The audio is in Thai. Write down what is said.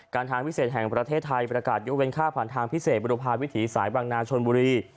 ทางพิเศษแห่งประเทศไทยประกาศยกเว้นค่าผ่านทางพิเศษบุรุพาณวิถีสายบางนาชนบุรี